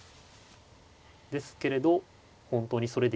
ですけれど本当にそれでいいのかと。